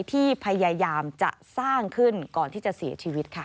ที่พยายามจะสร้างขึ้นก่อนที่จะเสียชีวิตค่ะ